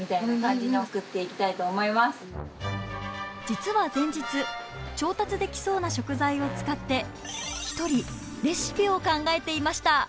実は前日調達できそうな食材を使って一人レシピを考えていました。